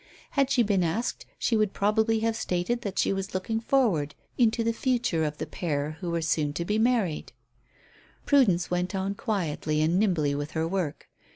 Had she been asked she would probably have stated that she was looking forward into the future of the pair who were so soon to be married. Prudence went on quietly and nimbly with her work.